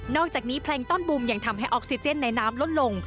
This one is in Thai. อกจากนี้แพลงต้อนบุมยังทำให้ออกซิเจนในน้ำลดลง